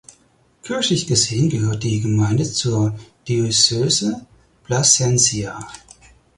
Kirchlich gesehen gehört die Gemeinde zur Diözese Plasencia.